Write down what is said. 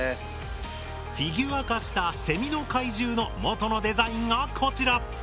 フィギュア化したセミの怪獣の元のデザインがこちら。